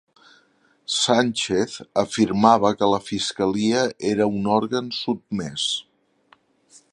Sánchez afirmava que la fiscalia era un òrgan sotmès